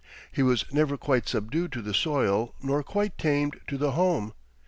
He was never quite subdued to the soil nor quite tamed to the home.